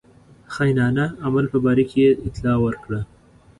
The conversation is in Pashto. خاینانه عمل په باره کې اطلاع ورکړه.